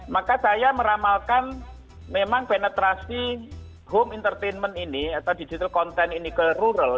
maka saya meramalkan memang penetrasi home entertainment ini atau digital content ini ke rural